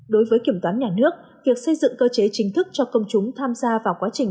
đối với kiểm toán nhà nước việc xây dựng cơ chế chính thức cho công chúng tham gia vào quá trình